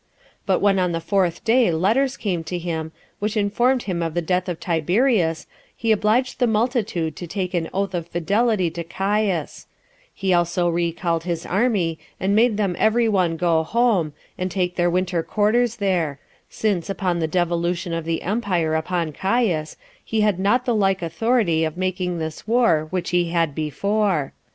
But when on the fourth day letters came to him, which informed him of the death of Tiberius, he obliged the multitude to take an oath of fidelity to Caius; he also recalled his army, and made them every one go home, and take their winter quarters there, since, upon the devolution of the empire upon Caius, he had not the like authority of making this war which he had before.